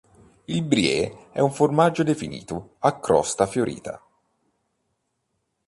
Il brie è un formaggio definito a "crosta fiorita".